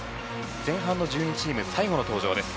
前半の１２チーム最後の登場です。